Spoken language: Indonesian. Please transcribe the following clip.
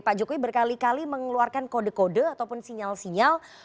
pak jokowi berkali kali mengeluarkan kode kode ataupun sinyal sinyal